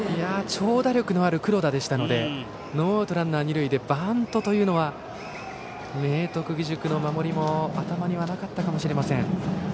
長打力のある黒田でノーアウトランナー、二塁でバントというのは明徳義塾の守りも頭にはなかったかもしれません。